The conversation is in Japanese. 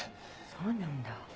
そうなんだ。